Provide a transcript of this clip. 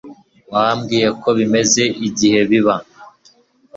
wambwiye ko bimaze igihe biba